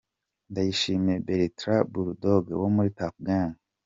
Ndayishimiye Bertrand: Bull Dogg wo muri Tuff Gangs.